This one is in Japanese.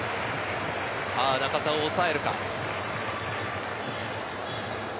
中田を抑えるか。